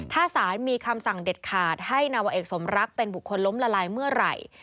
ถ้าสารมีคำสั่งเด็ดขาดให้นาวเอกสมรักเป็นบุคคลล้มละลายเมื่อไหร่